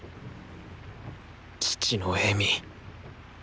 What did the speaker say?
父の笑み。